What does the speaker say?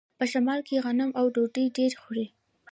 په شمال کې غنم او ډوډۍ ډیره خوري.